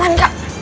nih gini caranya